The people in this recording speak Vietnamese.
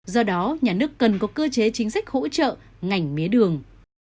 do đó nhà nước cần có cơ chế chính sách hỗ trợ ngành mía đường